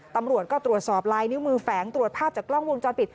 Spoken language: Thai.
ตำรวจก็ตรวจสอบลายนิ้วมือแฝงตรวจภาพจากกล้องวงจรปิด